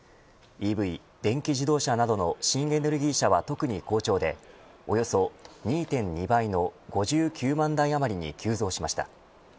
ＥＶ電気自動車などの新エネルギー車は特に好調でおよそ２．２倍の５９万台あまりに急増しました。